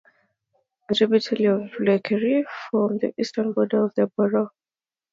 Fourmile Creek, a tributary of Lake Erie, forms the eastern border of the borough.